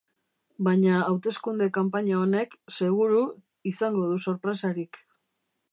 Baina hauteskunde kanpaina honek, seguru, izango du sorpresarik.